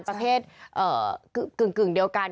ประเทศกึ่งเดียวกัน